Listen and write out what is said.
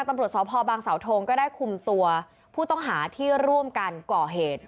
ตำรวจสพบางสาวทงก็ได้คุมตัวผู้ต้องหาที่ร่วมกันก่อเหตุ